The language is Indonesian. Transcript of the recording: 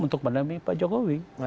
untuk menemani pak jokowi